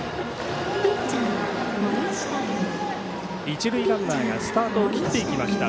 一塁ランナーがスタートを切っていきました。